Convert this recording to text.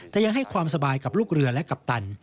แต่ยังให้ความสบายกับลูกเรือและกัปตัน